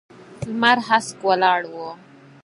لمر هسک ولاړ و.